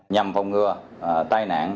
nhằm phòng ngừa tai nạn